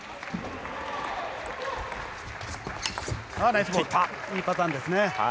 いいパターンですね。